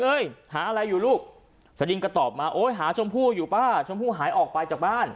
หาอะไรอยู่ลูกสดิงก็ตอบมาโอ้ยหาชมพู่อยู่ป้าชมพู่หายออกไปจากบ้าน